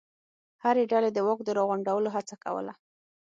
هرې ډلې د واک د راغونډولو هڅه کوله.